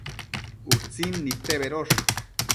Utsin nidte bedosh